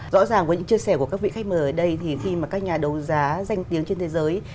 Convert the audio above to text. rõ ràng với những chia sẻ của các vị khách mời ở đây thì khi mà các nhà đấu giá danh tiếng trên thế giới